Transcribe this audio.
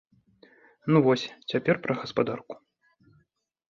Ну вось цяпер пра гаспадарку.